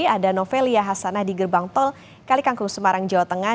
ada novelia hasanah di gerbang tol kalikangkung semarang jawa tengah